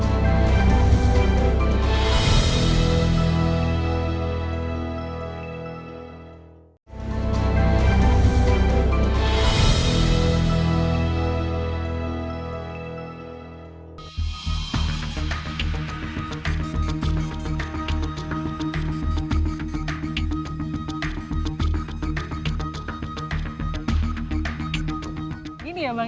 yang berpengurangan bulan mauvais